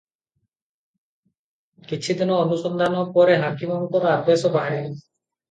କିଛି ଦିନ ଅନୁସନ୍ଧାନ ପରେ ହାକିମଙ୍କର ଆଦେଶ ବାହାରିଲା ।